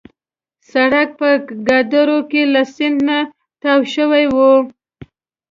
سړک په کادور کې له سیند نه تاو شوی وو.